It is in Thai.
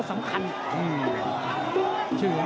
ตามต่อยกที่สองครับ